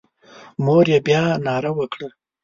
مور یې بیا ناره وکړه.